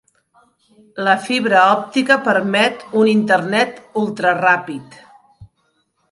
La fibra òptica permet un Internet ultraràpid.